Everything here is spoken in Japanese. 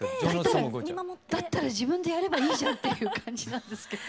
だったら自分でやればいいじゃんっていう感じなんですけど。